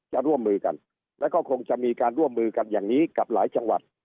จะร่วมมือกันแล้วก็คงจะมีการร่วมมือกันอย่างนี้กับหลายจังหวัด